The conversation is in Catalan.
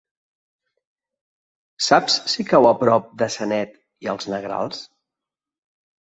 Saps si cau a prop de Sanet i els Negrals?